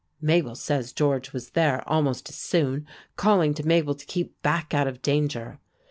Mabel says George was there almost as soon, calling to Mabel to keep back out of danger.